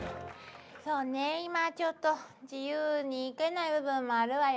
そうね今ちょっと自由に行けない部分もあるわよね。